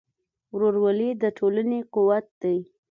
ورورولي د ټولنې قوت دی.